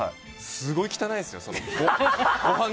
すごい汚いですよ。